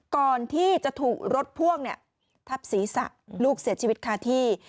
ก่อนที่จะถูกรถพ่วงทับศีรษะลูกเสียชีวิตคาที่